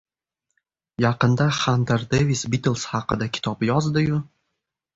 Yaqinda Xanter Devis "Bitlz" haqida kitob yozdi-yu...